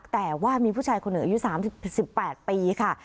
แต่ว่ามีผู้ชายคนเหนืออายุสามสิบแปดปีค่ะ